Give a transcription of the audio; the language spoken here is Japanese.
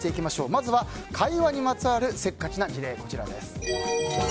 まずは会話にまつわるせっかちな事例、こちら。